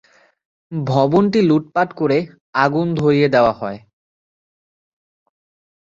ভবনটি লুটপাট করে আগুন ধরিয়ে দেওয়া হয়।